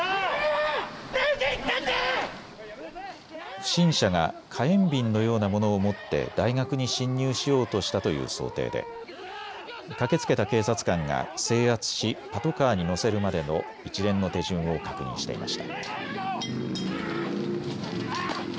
不審者が火炎瓶のようなものを持って大学に侵入しようとしたという想定で、駆けつけた警察官が制圧しパトカーに乗せるまでの一連の手順を確認していました。